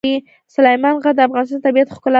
سلیمان غر د افغانستان د طبیعت د ښکلا برخه ده.